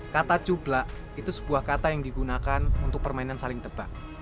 kata cubla itu sebuah kata yang digunakan untuk permainan saling tebak